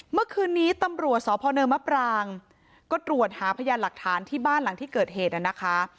เมื่อคืนนี้ตำรวจสพเนินมะปรางก็ตรวจหาพยานหลักฐานที่บ้านหลังที่เกิดเหตุนะคะ